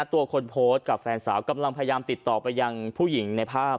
ตัวคนโพสต์กับแฟนสาวกำลังพยายามติดต่อไปยังผู้หญิงในภาพ